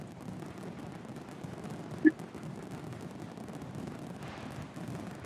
Su gobierno fue muy cercano a los regímenes socialistas de Chile y Cuba.